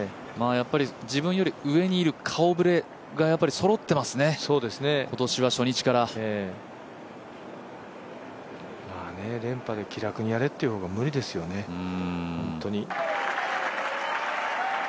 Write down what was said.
やっぱり自分より上にいる顔ぶれがそろっていますね、今年は初日から連覇で気楽にやれっていう方が無理ですよね、本当に。